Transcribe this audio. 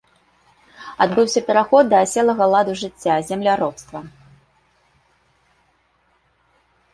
Адбыўся пераход да аселага ладу жыцця, земляробства.